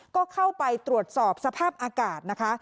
ก็เข้าไปตรวจสอบสภาพอากาศนะคะ